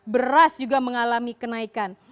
beras juga mengalami kenaikan